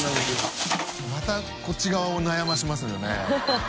またこっち側を悩ませますよね。